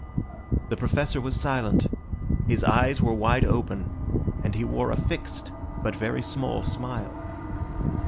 The Professor was silent; his eyes were wide open, and he wore a fixed but very small smile.